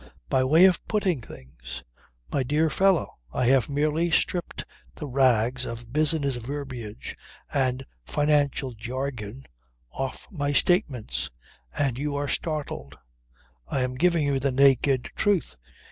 "My way of putting things! My dear fellow I have merely stripped the rags of business verbiage and financial jargon off my statements. And you are startled! I am giving you the naked truth.